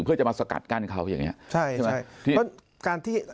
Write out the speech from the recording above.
เพื่อจะมาสกัดกั้นเขาก็อย่างเนี้ย